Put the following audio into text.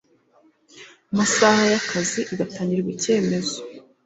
masaha y akazi igatangirwa icyemezo